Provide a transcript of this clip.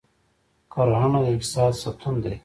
کرهڼه د اقتصاد ستون دی